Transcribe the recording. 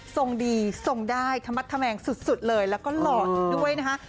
ทรงดีทรงได้ธรรมดธแมงสุดเลยแล้วก็หล่ออีกด้วยนะฮะ